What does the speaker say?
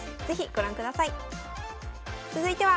是非ご覧ください。